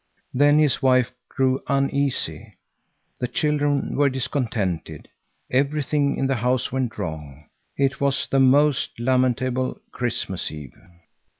Then his wife grew uneasy; the children were discontented, everything in the house went wrong. It was the most lamentable Christmas Eve.